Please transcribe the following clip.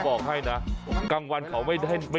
ต้องการกลับพ่อท่านี้ไหม